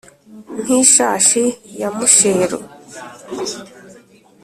nk'ishashi ya musheru